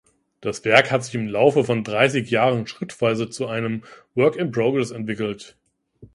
Das Werk hat sich im Laufe von dreißig Jahren schrittweise zu einem "work-in-progress" entwickelt.